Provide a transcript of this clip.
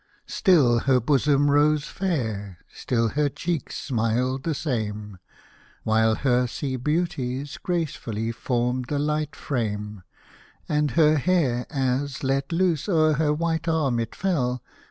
Still her bosom rose fair — still her cheeks smiled the same — While her sea beauties gracefully formed the light frame ; And her hair, as, let loose, o'er her white arm it fell.